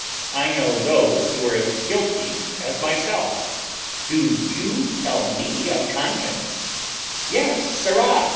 I know those who are as guilty as myself. Do you tell me of conscience?" "Yes, sirrah!"